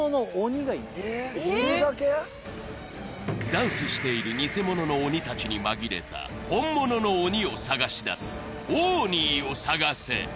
ダンスしているニセモノの鬼たちに紛れた本物の鬼を探し出すオーニーを探せ